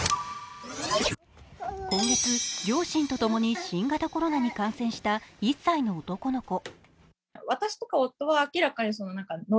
今月、両親とともに新型コロナに感染した１歳の男の子。